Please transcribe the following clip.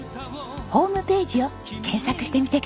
ホームページを検索してみてください。